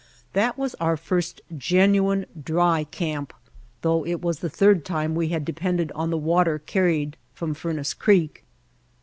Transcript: That was our first genuine dry camp, though it was the third time we had depended on the water carried from Furnace Creek.